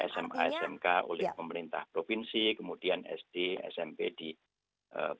sma smk oleh pemerintah provinsi kemudian sd dan smp di pemerintah kabupaten kota